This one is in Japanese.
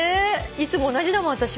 いつも同じだもん私も。